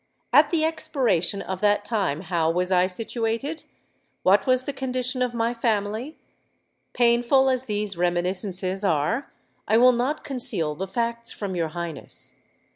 At the expiration of that time how was I situated? What was the condition of my family? Painful as these reminiscences are, I will not conceal the facts from your Highness.